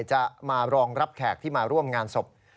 จะมารองรับแขกที่มาร่วมงานศพ